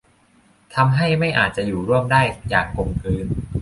ทำให้ไม่อาจจะอยู่ร่วมได้อย่างกลมกลืน